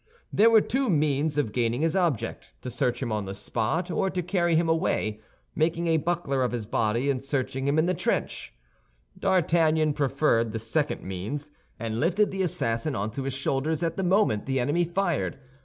There were two means of gaining his object—to search him on the spot, or to carry him away, making a buckler of his body, and search him in the trench. D'Artagnan preferred the second means, and lifted the assassin onto his shoulders at the moment the enemy fired.